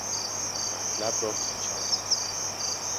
مطلب را پیچاند.